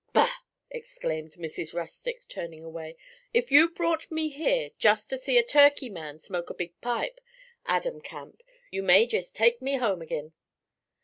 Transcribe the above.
'Bah!' exclaimed Mrs. Rustic, turning away, 'if you've brought me here just to see a Turkey man smoke a big pipe, Adam Camp, you may jest take me home ag'in.'